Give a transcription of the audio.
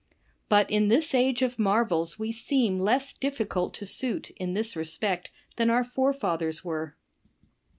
But in this age of marvels we seem less difficult to suit in this respect than our forefathers were.